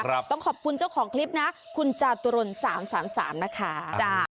ต้องขอบคุณเจ้าของคลิปนะคุณจาตุรนสามสามนะคะจ้า